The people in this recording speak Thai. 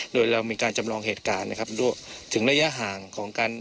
โดยเรามีการจำลองเหตุการณ์นะครับถึงระยะห่างของการ